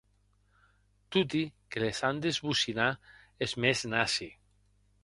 Toti que les an d'esbocinar es mèns nassi.